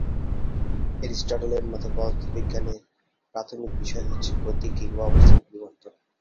Aristotle এর মতে পদার্থবিজ্ঞানের প্রাথমিক বিষয় হচ্ছে গতি কিংবা অবস্থান পরিবর্তন।